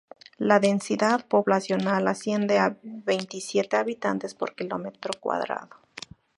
La densidad poblacional asciende a veintisiete habitantes por kilómetro cuadrado.